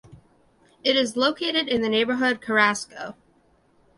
It is located in the neighborhood Carrasco.